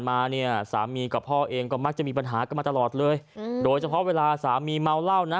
มาเนี่ยสามีกับพ่อเองก็มักจะมีปัญหากันมาตลอดเลยอืมโดยเฉพาะเวลาสามีเมาเหล้านะ